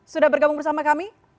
sudah bergabung bersama kami